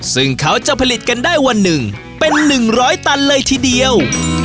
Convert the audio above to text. ซึ่งเขาจะผลิตกันได้วันหนึ่งเป็น๑๐๐ตันเลยทีเดียว